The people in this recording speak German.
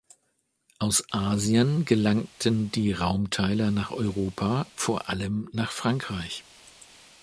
Aus Asien gelangten die Raumteiler nach Europa, vor allem nach Frankreich.